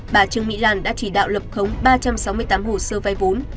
bà trương mỹ lan đã chỉ đạo lập khống ba trăm sáu mươi tám hồ sơ vai vốn